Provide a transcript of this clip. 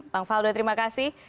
bang faldo terima kasih